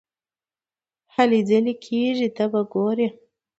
علي خپلې ګیرې ته نه ګوري.